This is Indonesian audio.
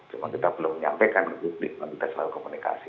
cuma kita belum menyampaikan ke publik dan kita selalu komunikasi